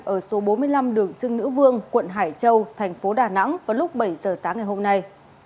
ở số bốn mươi năm đường trưng nữ vương quận hải châu thành phố đà nẵng vào lúc bảy giờ sáng ngày hôm nay